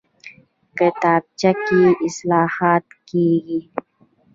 کتابچه کې اصلاحات کېږي